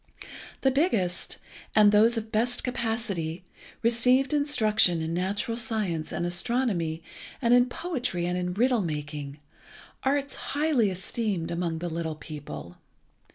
The biggest, and those of best capacity, received instruction in natural science and astronomy, and in poetry and in riddle making, arts highly esteemed among the little people.